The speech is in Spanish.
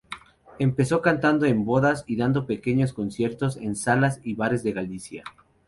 Empezó cantando en bodas y dando pequeños conciertos en salas y bares de Galicia.